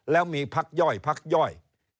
แล้วมีพักย่อยพักย่อย